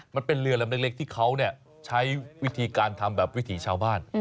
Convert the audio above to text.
มันเป็นเรือลำเล็กที่เขาใช้วิธีการทำแบบวิถีชาวบ้าน